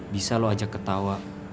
bisa lu ajak ketawa